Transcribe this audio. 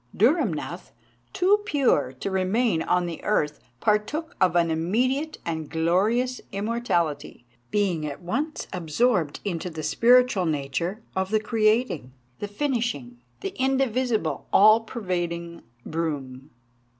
Dhurrumnath, too pure to remain on the earth, partook of an immediate and glorious immortality, being at once absorbed into the spiritual nature of the creating, the finishing, the indivisible, all pervading Brum.